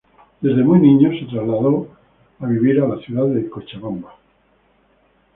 Desde muy niño se trasladó a vivir a la ciudad Cochabamba.